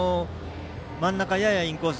真ん中ややインコース